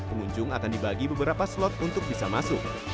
pengunjung akan dibagi beberapa slot untuk bisa masuk